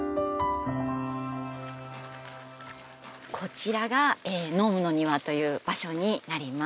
こちらがノームの庭という場所になります。